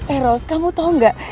eh ros kamu tahu nggak